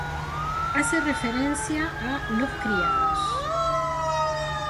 Hace referencia a "los criados".